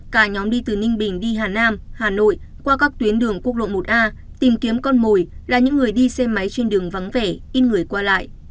cả nhóm đi từ ninh bình đi hà nam hà nội qua các tuyến đường quốc lộ một a tìm kiếm con mồi là những người đi xe máy trên đường vắng vẻ ít người qua lại